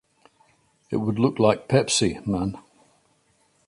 It would look like Pepsi Man!